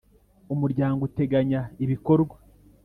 Umuryango uteganya ibikorwa